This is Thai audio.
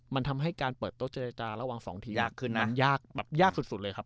มันทำให้การเปิดโต๊ะเจรจาระหว่างสองทียากขึ้นมันยากแบบยากสุดเลยครับ